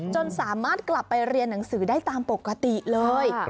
จนสามารถกลับไปเรียนหนังสือได้ตามปกติเลย